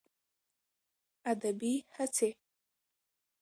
ادبي هڅې